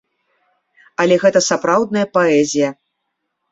Але гэта сапраўдная паэзія.